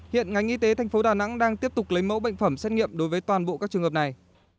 hiện ngành y tế thành phố đà nẵng đang tiếp tục lấy mẫu bệnh phẩm xét nghiệm đối với toàn bộ các trường hợp này